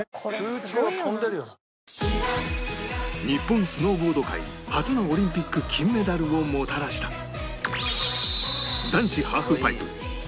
日本スノーボード界初のオリンピック金メダルをもたらした